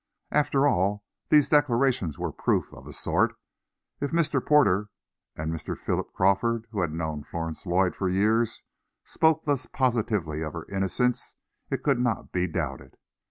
After all, these declarations were proof, of a sort. If Mr. Porter and Mr. Philip Crawford, who had known Florence Lloyd for years, spoke thus positively of her innocence, it could not be doubted.